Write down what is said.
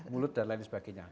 mulut dan lain sebagainya